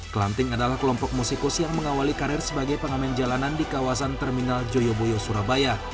klanting adalah kelompok musikus yang mengawali karir sebagai pengamen jalanan di kawasan terminal joyoboyo surabaya